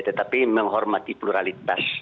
tetapi menghormati pluralitas